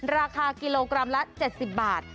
ราคากิโลกรัมละ๗๐บาท